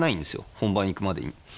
本番いくまでに。